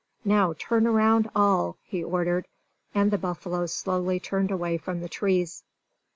"Now turn around, all!" he ordered. And the buffaloes slowly turned away from the trees.